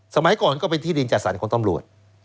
สมัยก่อนก็เป็นที่ดินจัดสรรของตำรวจ